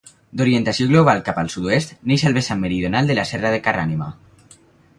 D'orientació global cap al sud-oest, neix al vessant meridional de la Serra de Carrànima.